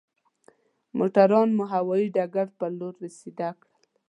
موټران مو هوايي ډګر پر لور سيده کړل.